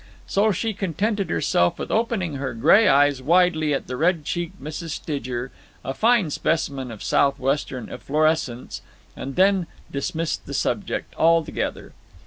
So she contented herself with opening her gray eyes widely at the red cheeked Mrs. Stidger a fine specimen of Southwestern efflorescence and then dismissed the subject altogether.